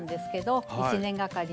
えっ１年がかり？